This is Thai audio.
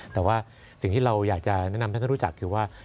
แต่ว่าสิ่งที่เราอยากจะแนะนำให้ท่านรู้จักคือว่า